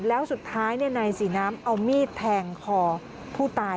แล้วสุดท้ายนายศรีน้ำเอามีดแทงคอผู้ตาย